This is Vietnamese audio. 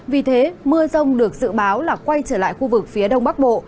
vì thế mưa rông được dự báo là quay trở lại khu vực phía đông bắc bộ